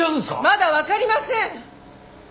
まだわかりません！